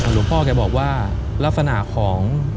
หลวงพ่อแกบอกว่าลักษณะของ